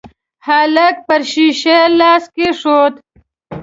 هلک پر شيشه لاس کېښود.